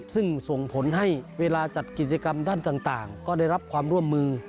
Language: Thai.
ซึ่งส่งผลให้เวลาจัดกิจกรรมด้านต่างก็ได้รับความร่วมมือ